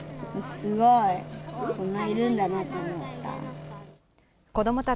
すごい、こんないるんだなと思った。